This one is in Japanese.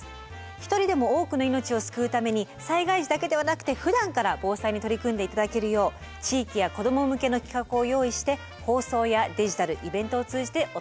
一人でも多くの命を救うために災害時だけではなくてふだんから防災に取り組んでいただけるよう地域や子供向けの企画を用意して放送やデジタルイベントを通じてお届けしています。